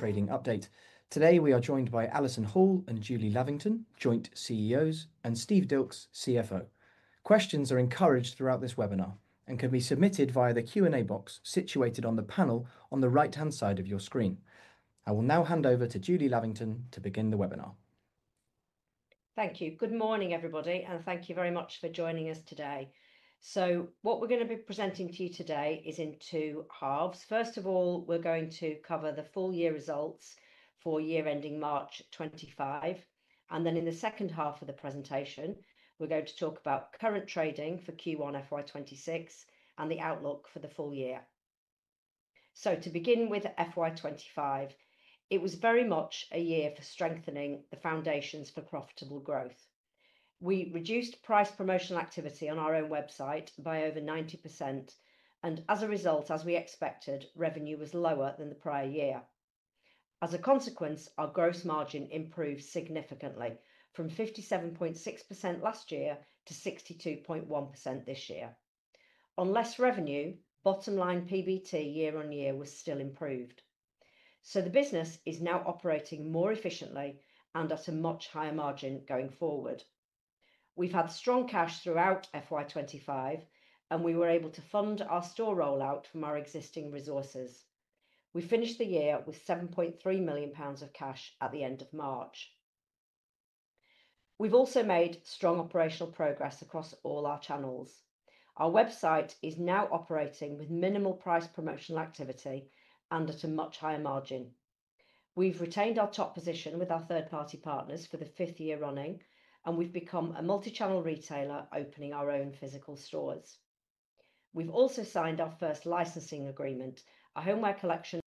Pond Trading Update. Today we are joined by Alison Hall and Julie Lavington, Joint Chief Executive Officers, and Steve Dilks, Chief Financial Officer. Questions are encouraged throughout this webinar and can be submitted via the Q&A box situated on the panel on the right-hand side of your screen. I will now hand over to Julie Lavington to begin the webinar. Thank you. Good morning, everybody, and thank you very much for joining us today. What we're going to be presenting to you today is in two halves. First of all, we're going to cover the full-year results for year-ending March 2025, and then in the second half of the presentation, we're going to talk about current trading for Q1 FY 2026 and the outlook for the full year. To begin with FY 2025, it was very much a year for strengthening the foundations for profitable growth. We reduced price promotional activity on our own website by over 90%, and as a result, as we expected, revenue was lower than the prior year. As a consequence, our gross margin improved significantly from 57.6% last year to 62.1% this year. On less revenue, bottom-line PBT year-on-year was still improved. The business is now operating more efficiently and at a much higher margin going forward. We've had strong cash throughout FY 2025, and we were able to fund our store rollout from our existing resources. We finished the year with 7.3 million pounds of cash at the end of March. We've also made strong operational progress across all our channels. Our website is now operating with minimal price promotional activity and at a much higher margin. We've retained our top position with our third-party partners for the fifth year running, and we've become a multi-channel retailer opening our own physical stores. We've also signed our first licensing agreement, a homeware collection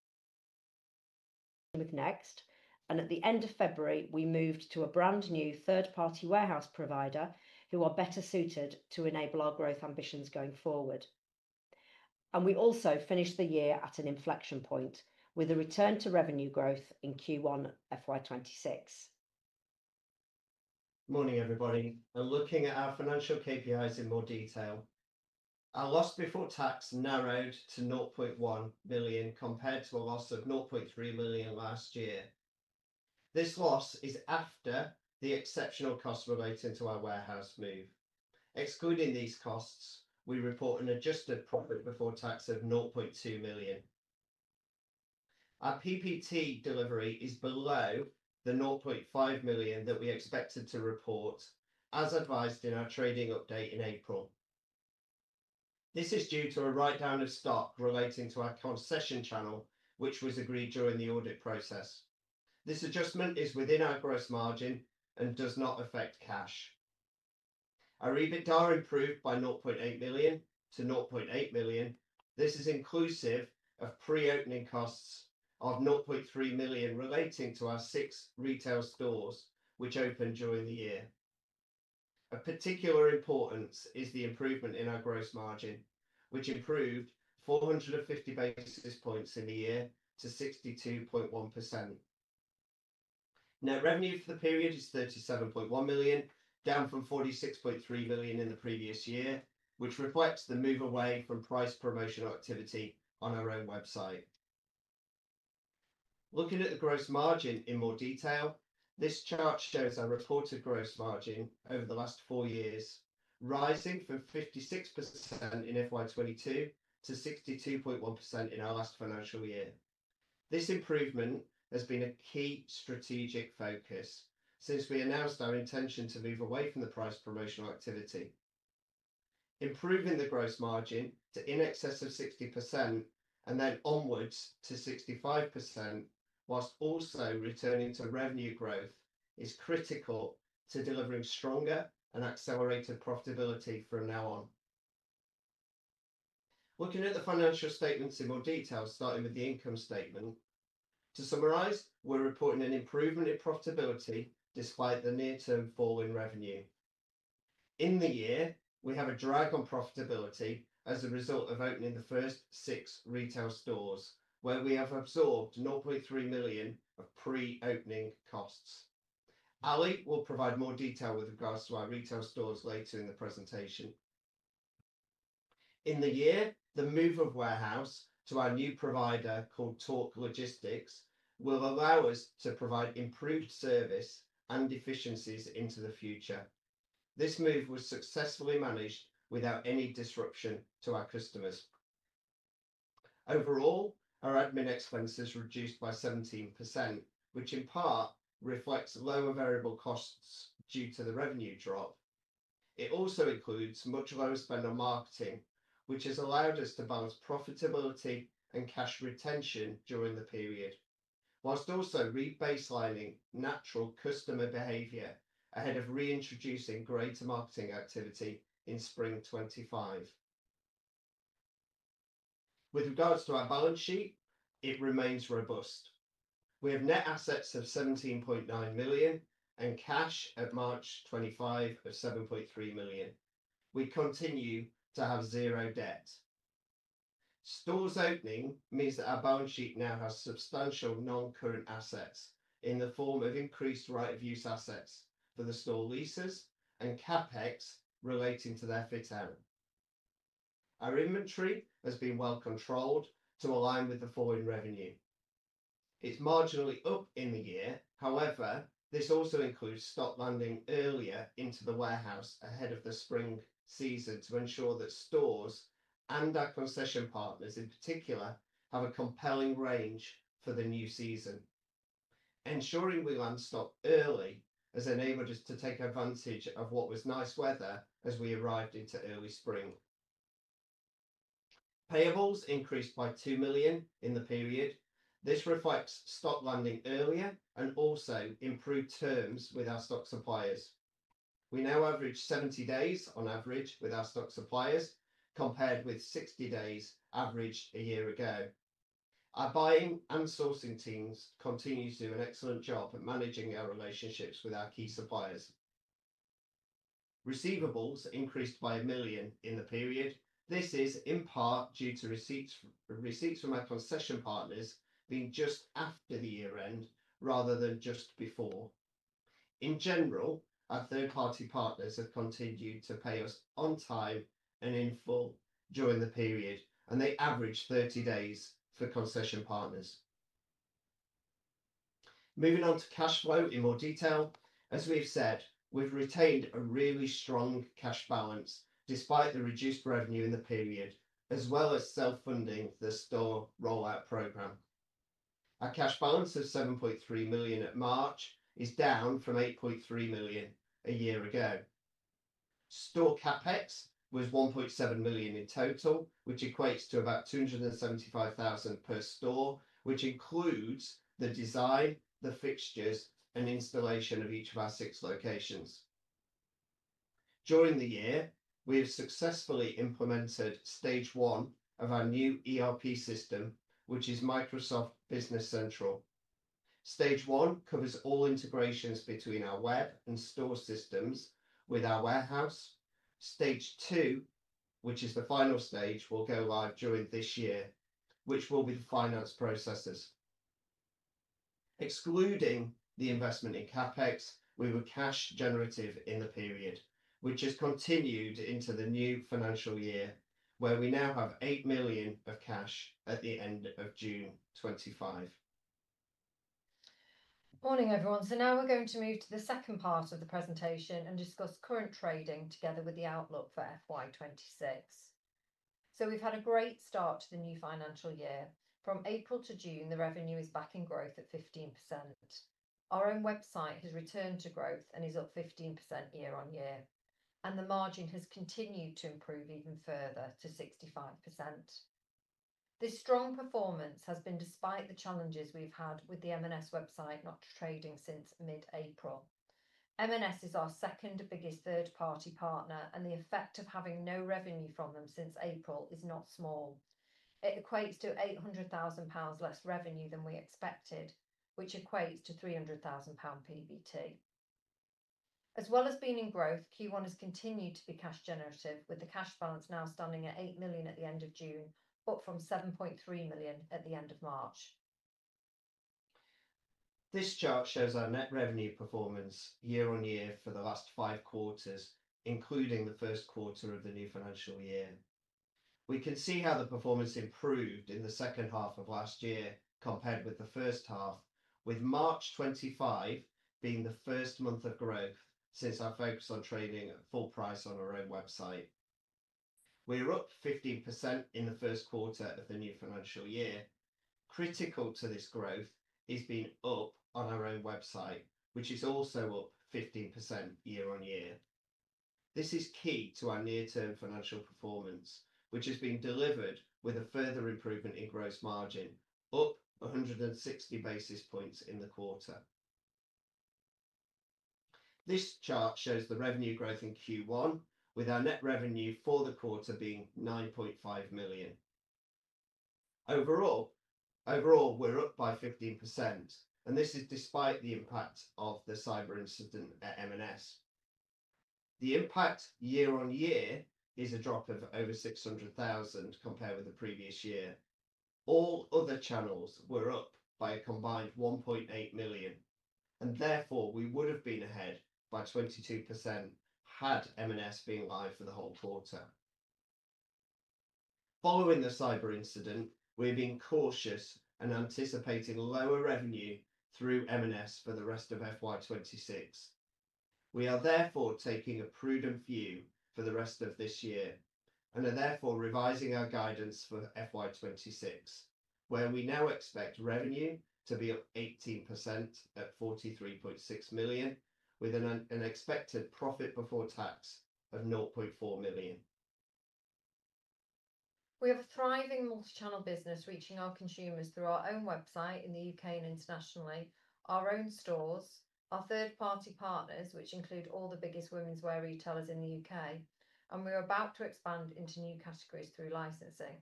with Next, and at the end of February, we moved to a brand new third-party warehouse provider who are better suited to enable our growth ambitions going forward. We also finished the year at an inflection point with a return to revenue growth in Q1 FY 2026. Morning, everybody. Looking at our financial KPIs in more detail, our loss before tax narrowed to 0.1 million compared to a loss of 0.3 million last year. This loss is after the exceptional costs related to our warehouse move. Excluding these costs, we report an adjusted profit before tax of 0.2 million. Our profit before tax delivery is below the 0.5 million that we expected to report, as advised in our trading update in April. This is due to a write-down of stock relating to our concession channel, which was agreed during the audit process. This adjustment is within our gross margin and does not affect cash. Our EBITDA improved by 0.8 million-0.8 million. This is inclusive of pre-opening costs of 0.3 million relating to our six retail stores which opened during the year. Of particular importance is the improvement in our gross margin, which improved 450 basis points in the year to 62.1%. Net revenue for the period is 37.1 million, down from 46.3 million in the previous year, which reflects the move away from price promotional activity on our own website. Looking at the gross margin in more detail, this chart shows our reported gross margin over the last four years, rising from 56% in FY 2022 to 62.1% in our last financial year. This improvement has been a key strategic focus since we announced our intention to move away from the price promotional activity. Improving the gross margin to in excess of 60% and then onwards to 65%, whilst also returning to revenue growth, is critical to delivering stronger and accelerated profitability from now on. Looking at the financial statements in more detail, starting with the income statement. To summarise, we're reporting an improvement in profitability despite the near-term fall in revenue. In the year, we have a drag on profitability as a result of opening the first six retail stores where we have absorbed 0.3 million of pre-opening costs. Ali will provide more detail with regards to our retail stores later in the presentation. In the year, the move of warehouse to our new provider called Tork Logistics will allow us to provide improved service and efficiencies into the future. This move was successfully managed without any disruption to our customers. Overall, our admin expenses reduced by 17%, which in part reflects lower variable costs due to the revenue drop. It also includes much of our spend on marketing, which has allowed us to balance profitability and cash retention during the period, whilst also re-baselining natural customer behavior ahead of reintroducing greater marketing activity in Spring 2025. With regards to our balance sheet, it remains robust. We have net assets of 17.9 million and cash at March 2025 of 7.3 million. We continue to have zero debt. Stores opening means that our balance sheet now has substantial non-current assets in the form of increased right of use assets for the store leases and CapEx relating to their fit-in. Our inventory has been well controlled to align with the fall in revenue. It's marginally up in the year; however, this also includes stock landing earlier into the warehouse ahead of the spring season to ensure that stores and our concession partners in particular have a compelling range for the new season. Ensuring we land stock early has enabled us to take advantage of what was nice weather as we arrived into early spring. Payables increased by 2 million in the period. This reflects stock landing earlier and also improved terms with our stock suppliers. We now average 70 days on average with our stock suppliers compared with 60 days average a year ago. Our buying and sourcing teams continue to do an excellent job at managing our relationships with our key suppliers. Receivables increased by 1 million in the period. This is in part due to receipts from our concession partners being just after the year-end rather than just before. In general, our third-party partners have continued to pay us on time and in full during the period, and they average 30 days for concession partners. Moving on to cash flow in more detail. As we have said, we've retained a really strong cash balance despite the reduced revenue in the period, as well as self-funding the store rollout program. Our cash balance of 7.3 million at March is down from 8.3 million a year ago. Store CapEx was 1.7 million in total, which equates to about 275,000 per store, which includes the design, the fixtures, and installation of each of our six locations. During the year, we have successfully implemented stage one of our new ERP system, which is Microsoft Business Central. Stage one covers all integrations between our web and store systems with our warehouse. Stage two, which is the final stage, will go live during this year, which will be the finance processes. Excluding the investment in CapEx, we were cash generative in the period, which has continued into the new financial year, where we now have 8 million of cash at the end of June 2025. Morning, everyone. We are going to move to the second part of the presentation and discuss current trading together with the outlook for FY 2026. We have had a great start to the new financial year. From April to June, the revenue is back in growth at 15%. Our own website has returned to growth and is up 15% year-on-year, and the margin has continued to improve even further to 65%. This strong performance has been despite the challenges we've had with the Marks & Spencer website not trading since mid-April. Marks & Spencer is our second biggest third-party partner, and the effect of having no revenue from them since April is not small. It equates to 800,000 pounds less revenue than we expected, which equates to 300,000 pound profit before tax. As well as being in growth, Q1 has continued to be cash generative, with the cash balance now standing at 8 million at the end of June, up from 7.3 million at the end of March. This chart shows our net revenue performance year-on-year for the last five quarters, including the first quarter of the new financial year. We can see how the performance improved in the second half of last year compared with the first half, with March 2025 being the first month of growth since our focus on trading at full price on our own website. We're up 15% in the first quarter of the new financial year. Critical to this growth is being up on our own website, which is also up 15% year-on-year. This is key to our near-term financial performance, which has been delivered with a further improvement in gross margin, up 160 basis points in the quarter. This chart shows the revenue growth in Q1, with our net revenue for the quarter being 9.5 million. Overall, we're up by 15%, and this is despite the impact of the cyber incident at Marks & Spencer. The impact year-on-year is a drop of over 600,000 compared with the previous year. All other channels were up by a combined 1.8 million, and therefore we would have been ahead by 22% had Marks & Spencer been live for the whole quarter. Following the cyber incident, we're being cautious and anticipating lower revenue through Marks & Spencer for the rest of FY 2026. We are therefore taking a prudent view for the rest of this year and are therefore revising our guidance for FY 2026, where we now expect revenue to be at 18% at 43.6 million, with an expected profit before tax of 0.4 million. We have a thriving multi-channel business reaching our consumers through our own website in the U.K. and internationally, our own stores, our third-party partners, which include all the biggest women's wear retailers in the U.K., and we're about to expand into new categories through licensing.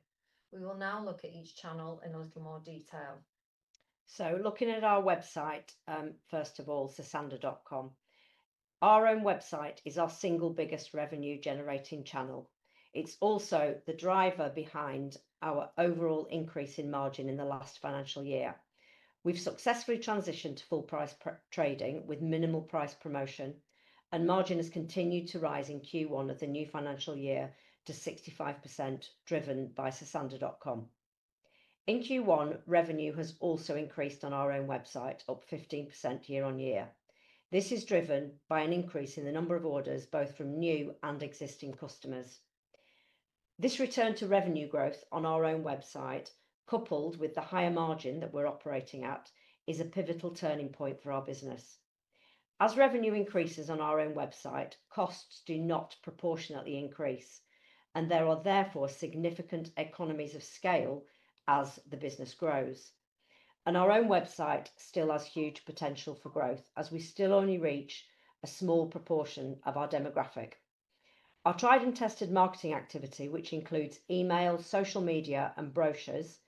We will now look at each channel in a little more detail. Looking at our website, first of all, sosandar.com. Our own website is our single biggest revenue-generating channel. It's also the driver behind our overall increase in margin in the last financial year. We've successfully transitioned to full price trading with minimal price promotion, and margin has continued to rise in Q1 of the new financial year to 65%, driven by sosandar.com. In Q1, revenue has also increased on our own website, up 15% year-on-year. This is driven by an increase in the number of orders both from new and existing customers. This return to revenue growth on our own website, coupled with the higher margin that we're operating at, is a pivotal turning point for our business. As revenue increases on our own website, costs do not proportionately increase, and there are therefore significant economies of scale as the business grows. Our own website still has huge potential for growth as we still only reach a small proportion of our demographic. Our tried and tested marketing activity, which includes email, social media, and brochures,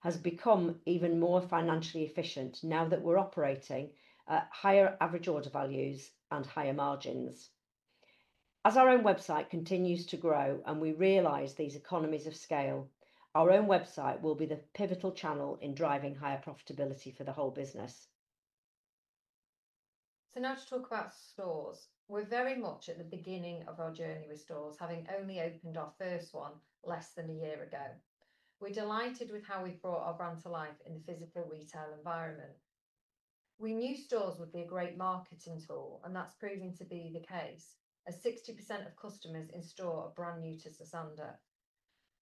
has become even more financially efficient now that we're operating at higher average order values and higher margins. As our own website continues to grow and we realize these economies of scale, our own website will be the pivotal channel in driving higher profitability for the whole business. Now to talk about stores. We're very much at the beginning of our journey with stores, having only opened our first one less than a year ago. We're delighted with how we brought our brand to life in a physical retail environment. We knew stores would be a great marketing tool, and that's proving to be the case, as 60% of customers in store are brand new to Sosandar.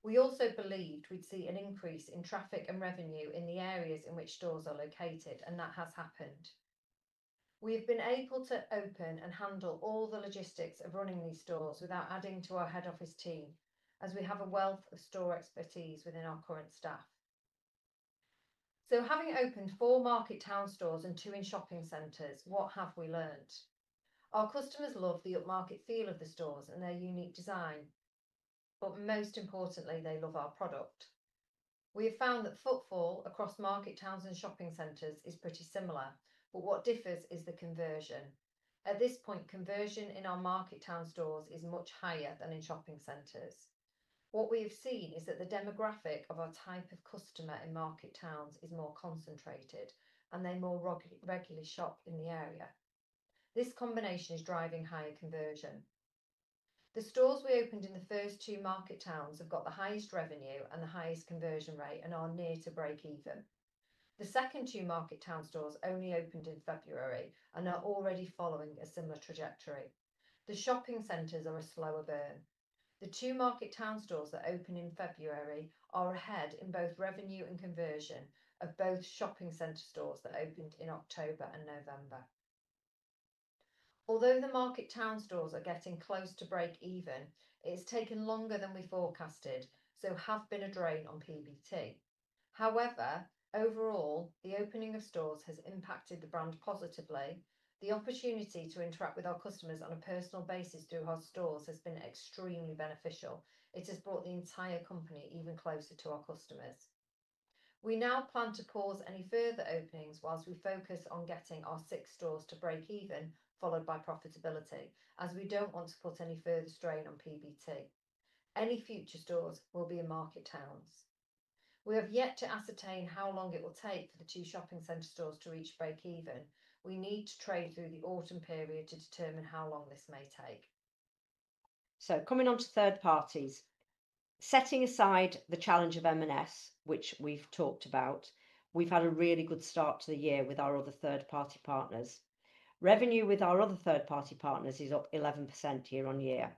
We also believed we'd see an increase in traffic and revenue in the areas in which stores are located, and that has happened. We have been able to open and handle all the logistics of running these stores without adding to our head office team, as we have a wealth of store expertise within our current staff. Having opened four market town stores and two in shopping centers, what have we learned? Our customers love the market feel of the stores and their unique design, but most importantly, they love our product. We have found that footfall across market towns and shopping centers is pretty similar, but what differs is the conversion. At this point, conversion in our market town stores is much higher than in shopping centers. What we have seen is that the demographic of our type of customer in market towns is more concentrated, and they more regularly shop in the area. This combination is driving higher conversion. The stores we opened in the first two market towns have got the highest revenue and the highest conversion rate and are near to break even. The second two market town stores only opened in February and are already following a similar trajectory. The shopping centers are a slower burn. The two market town stores that opened in February are ahead in both revenue and conversion of both shopping center stores that opened in October and November. Although the market town stores are getting close to break even, it's taken longer than we forecasted, so it has been a drain on PBT. However, overall, the opening of stores has impacted the brand positively. The opportunity to interact with our customers on a personal basis through our stores has been extremely beneficial. It has brought the entire company even closer to our customers. We now plan to pause any further openings whilst we focus on getting our six stores to break even, followed by profitability, as we don't want to put any further strain on PBT. Any future stores will be in market towns. We have yet to ascertain how long it will take for the two shopping center stores to each break even. We need to trade through the autumn period to determine how long this may take. Coming on to third parties, setting aside the challenge of Marks & Spencer, which we've talked about, we've had a really good start to the year with our other third-party partners. Revenue with our other third-party partners is up 11% year-on-year.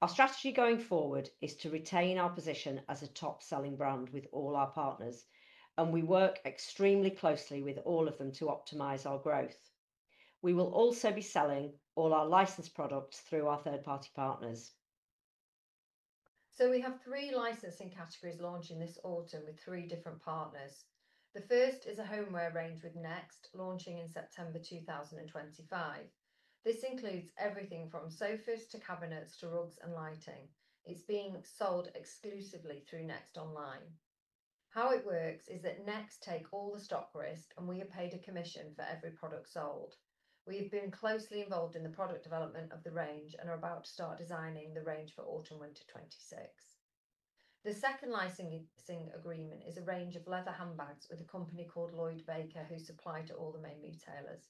Our strategy going forward is to retain our position as a top-selling brand with all our partners, and we work extremely closely with all of them to optimize our growth. We will also be selling all our licensed products through our third-party partners. We have three licensing categories launching this autumn with three different partners. The first is a homeware range with Next, launching in September 2025. This includes everything from sofas to cabinets to rugs and lighting. It's being sold exclusively through Next Online. How it works is that Next takes all the stock risk, and we are paid a commission for every product sold. We have been closely involved in the product development of the range and are about to start designing the range for autumn/winter 2026. The second licensing agreement is a range of leather handbags with a company called Lloyd Baker, who supply to all the main retailers.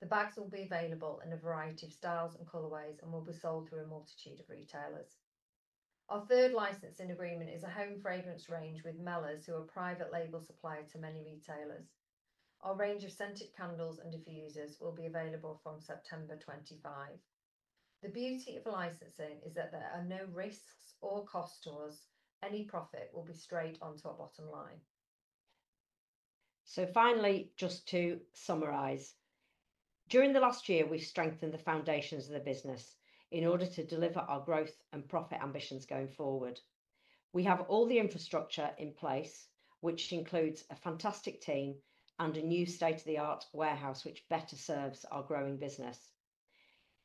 The bags will be available in a variety of styles and colorways and will be sold through a multitude of retailers. Our third licensing agreement is a home fragrance range with Mellors, who are private label suppliers to many retailers. Our range of scented candles and diffusers will be available from September 2025. The beauty of licensing is that there are no risks or cost to us. Any profit will be straight onto our bottom line. Finally, just to summarize. During the last year, we've strengthened the foundations of the business in order to deliver our growth and profit ambitions going forward. We have all the infrastructure in place, which includes a fantastic team and a new state-of-the-art warehouse, which better serves our growing business.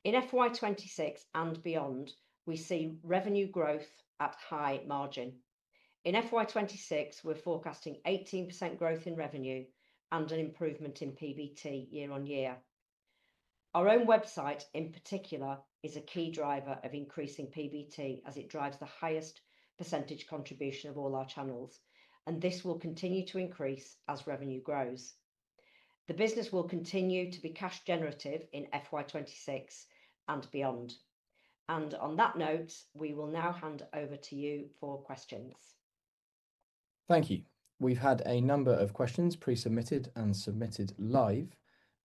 In FY 2026 and beyond, we see revenue growth at high margin. In FY 2026, we're forecasting 18% growth in revenue and an improvement in PBT year-on-year. Our own website, in particular, is a key driver of increasing PBT, as it drives the highest percentage contribution of all our channels, and this will continue to increase as revenue grows. The business will continue to be cash generative in FY 2026 and beyond. On that note, we will now hand over to you for questions. Thank you. We've had a number of questions pre-submitted and submitted live.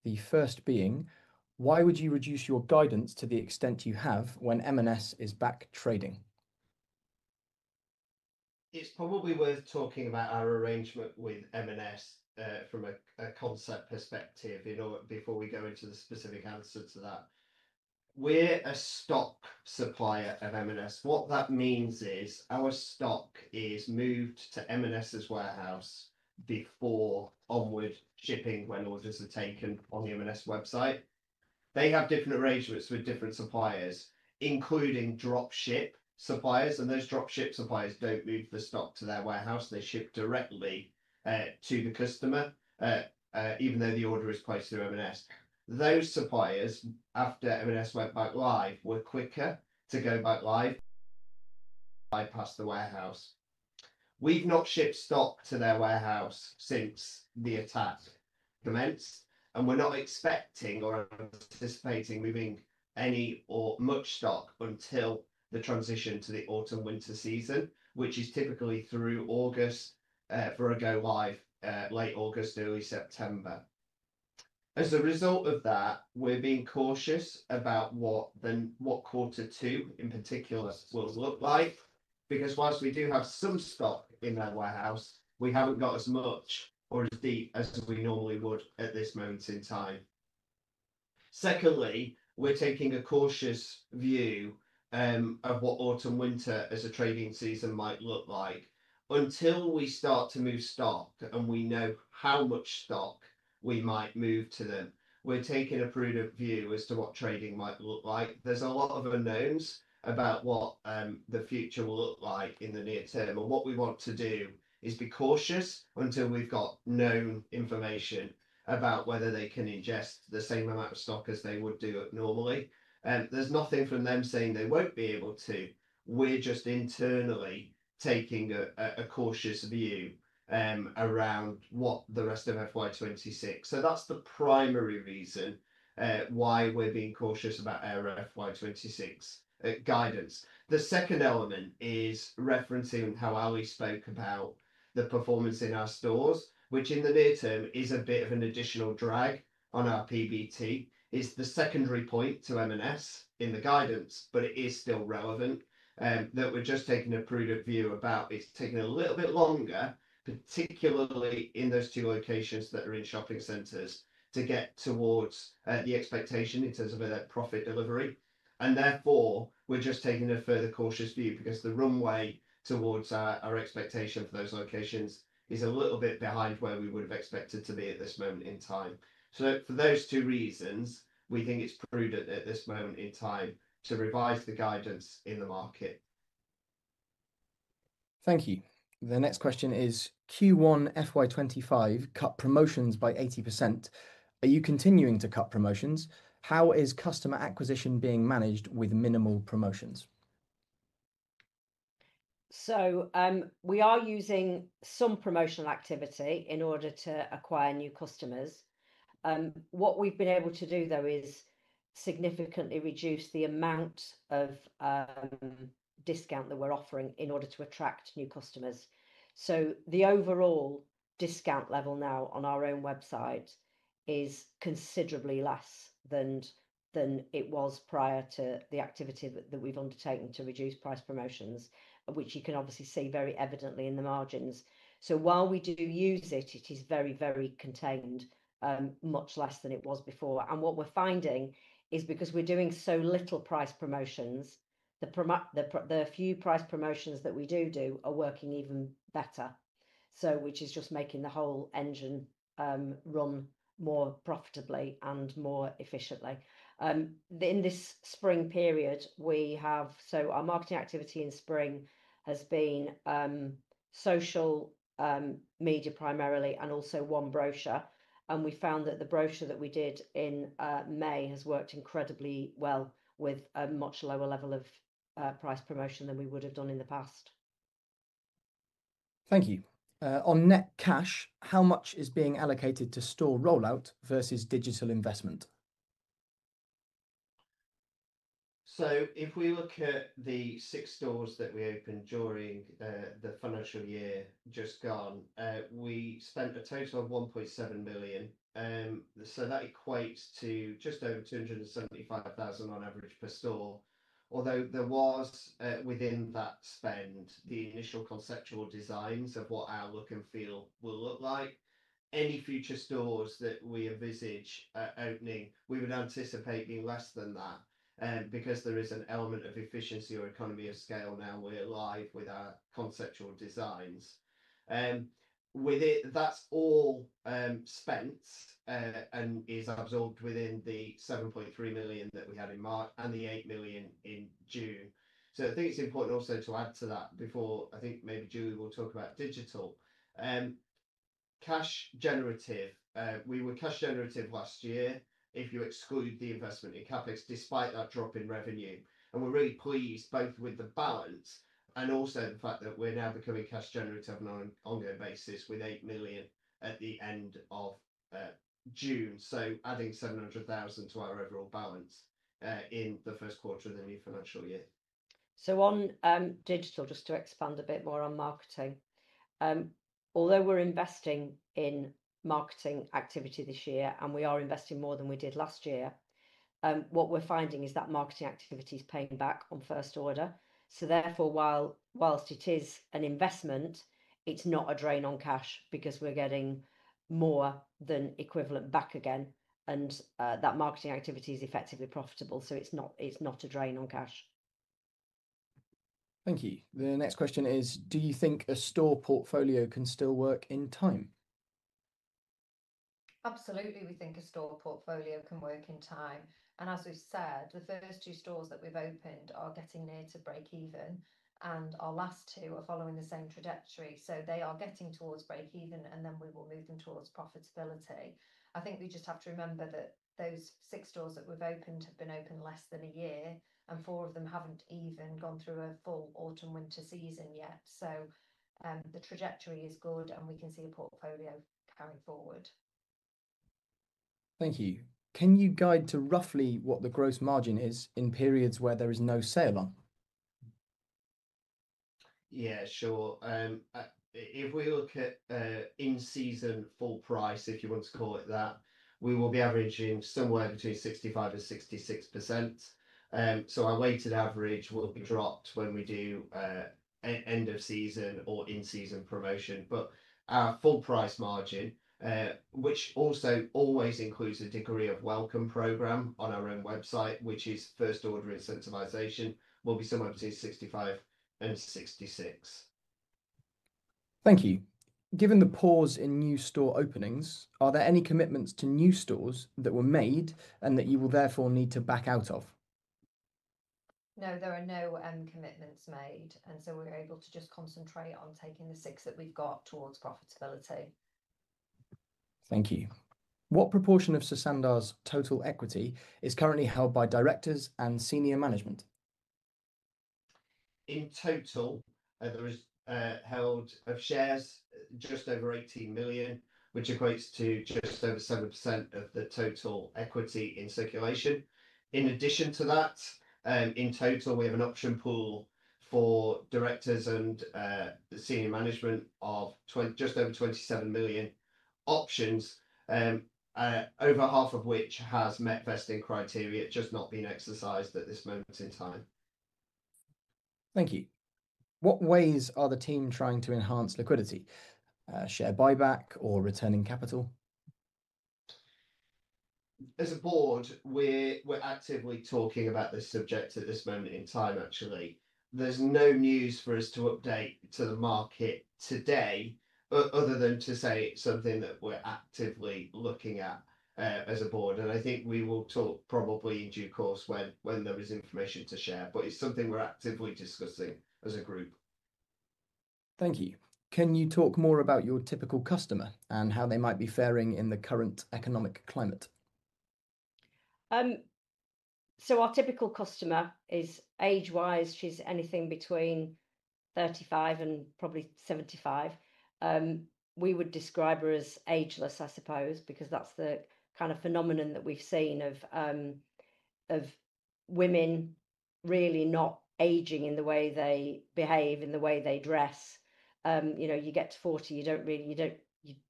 The first being, why would you reduce your guidance to the extent you have when Marks & Spencer is back trading? It's probably worth talking about our arrangement with Marks & Spencer from a concept perspective before we go into the specific answer to that. We're a stock supplier of Marks & Spencer. What that means is our stock is moved to Marks & Spencer's warehouse before onward shipping when orders are taken on the Marks & Spencer website. They have different arrangements with different suppliers, including dropship suppliers, and those dropship suppliers don't move the stock to their warehouse. They ship directly to the customer, even though the order is placed through Marks & Spencer. Those suppliers, after Marks & Spencer went back live, were quicker to go back live, bypass the warehouse. We've not shipped stock to their warehouse since the attack commenced, and we're not expecting or anticipating moving any or much stock until the transition to the autumn/winter season, which is typically through August for a go live late August, early September. As a result of that, we're being cautious about what the quarter two in particular will look like, because whilst we do have some stock in our warehouse, we haven't got as much or as deep as we normally would at this moment in time. Secondly, we're taking a cautious view of what autumn/winter as a trading season might look like. Until we start to move stock and we know how much stock we might move to them, we're taking a prudent view as to what trading might look like. There's a lot of unknowns about what the future will look like in the near term, and what we want to do is be cautious until we've got known information about whether they can ingest the same amount of stock as they would do it normally. There's nothing from them saying they won't be able to. We're just internally taking a cautious view around what the rest of FY 2026. That's the primary reason why we're being cautious about our FY 2026 guidance. The second element is referencing how Alison Hall spoke about the performance in our stores, which in the near term is a bit of an additional drag on our profit before tax. It's the secondary point to Marks & Spencer in the guidance, but it is still relevant that we're just taking a prudent view about it's taking a little bit longer, particularly in those two locations that are in shopping centers, to get towards the expectation in terms of a net profit delivery. Therefore, we're just taking a further cautious view because the runway towards our expectation for those locations is a little bit behind where we would have expected to be at this moment in time. For those two reasons, we think it's prudent at this moment in time to revise the guidance in the market. Thank you. The next question is, Q1 FY 2025 cut promotions by 80%. Are you continuing to cut promotions? How is customer acquisition being managed with minimal promotions? We are using some promotional activity in order to acquire new customers. What we've been able to do, though, is significantly reduce the amount of discount that we're offering in order to attract new customers. The overall discount level now on our own website is considerably less than it was prior to the activity that we've undertaken to reduce price promotions, which you can obviously see very evidently in the margins. While we do use it, it is very, very contained, much less than it was before. What we're finding is because we're doing so little price promotions, the few price promotions that we do are working even better, which is just making the whole engine run more profitably and more efficiently. In this spring period, our marketing activity in spring has been social media primarily and also one brochure. We found that the brochure that we did in May has worked incredibly well with a much lower level of price promotion than we would have done in the past. Thank you. On net cash, how much is being allocated to store rollout versus digital investment? If we look at the six stores that we opened during the financial year just gone, we spent a total of 1.7 million. That equates to just over 275,000 on average per store. Although there was within that spend the initial conceptual designs of what our look and feel will look like, any future stores that we envisage opening, we would anticipate being less than that because there is an element of efficiency or economy of scale now we're live with our conceptual designs. With it, that's all spent and is absorbed within the 7.3 million that we had in March and the 8 million in June. I think it's important also to add to that before, I think maybe Julie will talk about digital. Cash generative, we were cash generative last year if you exclude the investment in CapEx despite that drop in revenue. We're really pleased both with the balance and also the fact that we're now becoming cash generative on an ongoing basis with 8 million at the end of June, adding 700,000 to our overall balance in the first quarter of the new financial year. On digital, just to expand a bit more on marketing, although we're investing in marketing activity this year and we are investing more than we did last year, what we're finding is that marketing activity is paying back on first order. Therefore, whilst it is an investment, it's not a drain on cash because we're getting more than equivalent back again and that marketing activity is effectively profitable. It's not a drain on cash. Thank you. The next question is, do you think a store portfolio can still work in time? Absolutely, we think a store portfolio can work in time. As we've said, the first two stores that we've opened are getting near to break even, and our last two are following the same trajectory. They are getting towards break even, and we will move them towards profitability. We just have to remember that those six stores that we've opened have been opened less than a year, and four of them haven't even gone through a full autumn/winter season yet. The trajectory is good, and we can see a portfolio carry forward. Thank you. Can you guide to roughly what the gross margin is in periods where there is no sale on? Yeah, sure. If we look at in-season full price, if you want to call it that, we will be averaging somewhere between 65%-66%. Our weighted average will be dropped when we do an end-of-season or in-season promotion. Our full price margin, which also always includes a degree of welcome program on our own website, which is first order incentivization, will be somewhere between 65% and 66%. Thank you. Given the pause in new store openings, are there any commitments to new stores that were made and that you will therefore need to back out of? No, there are no commitments made, and we're able to just concentrate on taking the six that we've got towards profitability. Thank you. What proportion of Sosandar's total equity is currently held by Directors and Senior Management? In total, there is held of shares just over 18 million, which equates to just over 7% of the total equity in circulation. In addition to that, in total, we have an option pool for Directors and Senior Management of just over 27 million options, over half of which has met vesting criteria, just not being exercised at this moment in time. Thank you. In what ways are the team trying to enhance liquidity? Share buyback or returning capital? As a board, we're actively talking about this subject at this moment in time, actually. There's no news for us to update to the market today other than to say it's something that we're actively looking at as a board. I think we will talk probably in due course when there is information to share, but it's something we're actively discussing as a group. Thank you. Can you talk more about your typical customer and how they might be faring in the current economic climate? Our typical customer is age-wise, she's anything between 35 and probably 75. We would describe her as ageless, I suppose, because that's the kind of phenomenon that we've seen of women really not aging in the way they behave, in the way they dress. You get to 40, you don't really,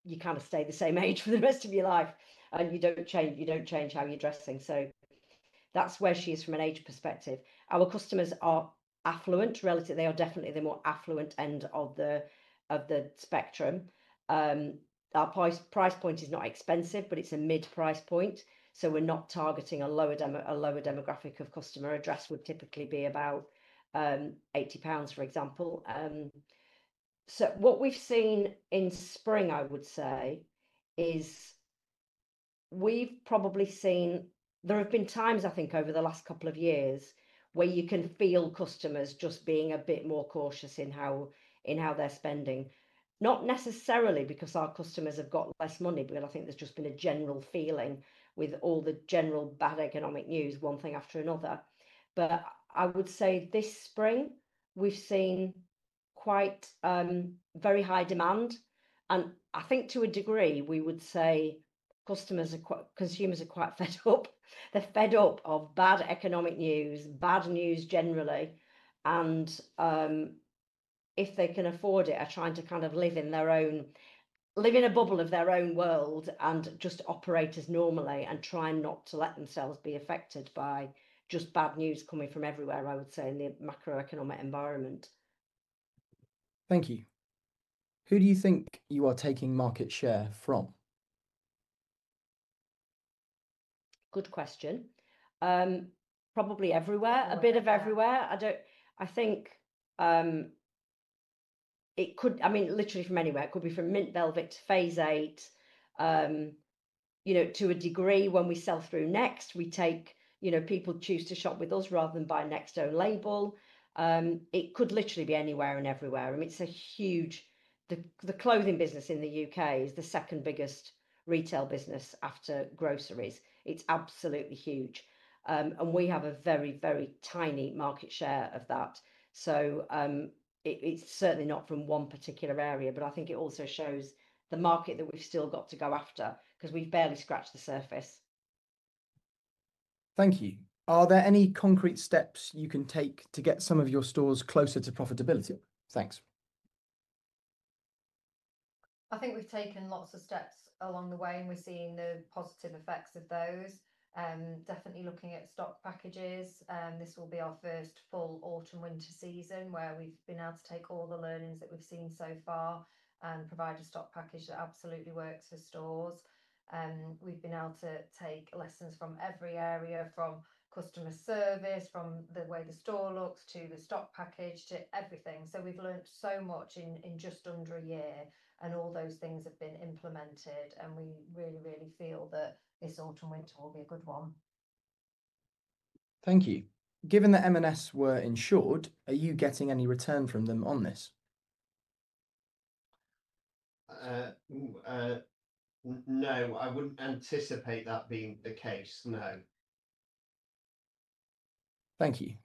you kind of stay the same age for the rest of your life, and you don't change, you don't change how you're dressing. That's where she is from an age perspective. Our customers are affluent, relatively. They are definitely the more affluent end of the spectrum. Our price point is not expensive, but it's a mid-price point. We're not targeting a lower demographic of customer. A dress would typically be about 80 pounds, for example. What we've seen in spring, I would say, is we've probably seen, there have been times, I think, over the last couple of years where you can feel customers just being a bit more cautious in how they're spending. Not necessarily because our customers have got less money, but I think there's just been a general feeling with all the general bad economic news, one thing after another. I would say this spring, we've seen quite very high demand. I think to a degree, we would say customers are quite, consumers are quite fed up. They're fed up of bad economic news, bad news generally. If they can afford it, are trying to kind of live in their own, live in a bubble of their own world and just operate as normally and try not to let themselves be affected by just bad news coming from everywhere, I would say, in the macroeconomic environment. Thank you. Who do you think you are taking market share from? Good question. Probably everywhere, a bit of everywhere. I think it could, I mean, literally from anywhere. It could be from Mint Velvet to Phase VIII. You know, to a degree, when we sell through Next, we take, you know, people choose to shop with us rather than buy Next's own label. It could literally be anywhere and everywhere. I mean, it's a huge, the clothing business in the U.K. is the second biggest retail business after groceries. It's absolutely huge. We have a very, very tiny market share of that. It is certainly not from one particular area, but I think it also shows the market that we've still got to go after because we've barely scratched the surface. Thank you. Are there any concrete steps you can take to get some of your stores closer to profitability? Thanks. I think we've taken lots of steps along the way, and we're seeing the positive effects of those. Definitely looking at stock packages. This will be our first full autumn/winter season where we've been able to take all the learnings that we've seen so far and provide a stock package that absolutely works for stores. We've been able to take lessons from every area, from customer service, from the way the store looks to the stock package to everything. We've learned so much in just under a year, and all those things have been implemented. We really, really feel that this autumn/winter will be a good one. Thank you. Given that Marks & Spencer were insured, are you getting any return from them on this? No, I wouldn't anticipate that being the case, no. Thank you.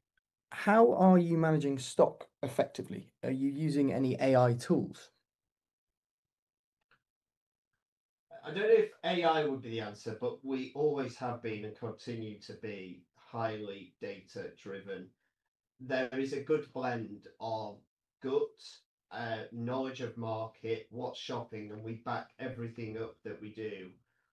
How are you managing stock effectively? Are you using any AI tools? I don't know if AI would be the answer, but we always have been and continue to be highly data-driven. There is a good blend of gut, knowledge of market, what's shopping, and we back everything up that we do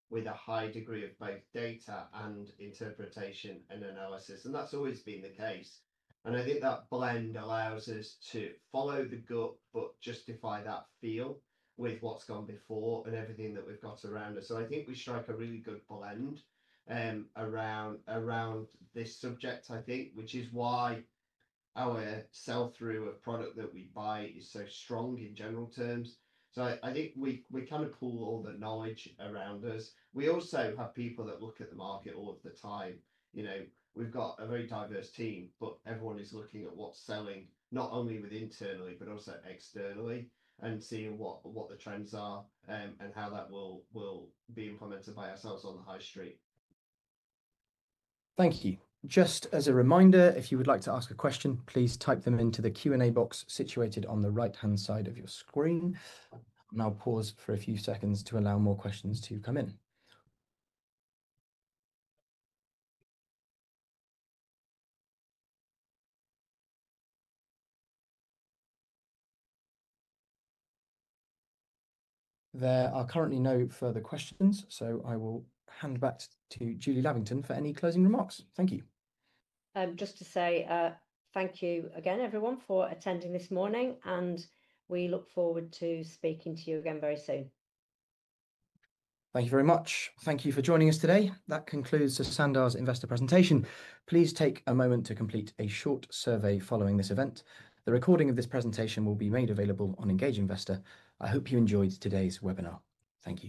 with a high degree of both data and interpretation and analysis. That's always been the case. I think that blend allows us to follow the gut but justify that feel with what's gone before and everything that we've got around us. I think we strike a really good blend around this subject, which is why our sell-through of product that we buy is so strong in general terms. I think we kind of pool all the knowledge around us. We also have people that look at the market all of the time. We've got a very diverse team, but everyone is looking at what's selling, not only internally but also externally, and seeing what the trends are and how that will be implemented by ourselves on the high street. Thank you. Just as a reminder, if you would like to ask a question, please type them into the Q&A box situated on the right-hand side of your screen. I'll pause for a few seconds to allow more questions to come in. There are currently no further questions, so I will hand back to Julie Lavington for any closing remarks. Thank you. Just to say thank you again, everyone, for attending this morning. We look forward to speaking to you again very soon. Thank you very much. Thank you for joining us today. That concludes the Sosandar's Investor Presentation. Please take a moment to complete a short survey following this event. The recording of this presentation will be made available on Engage Investor. I hope you enjoyed today's webinar. Thank you.